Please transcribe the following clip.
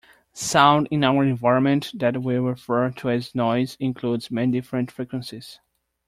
Sound in our environment that we refer to as "noise" includes many different frequencies.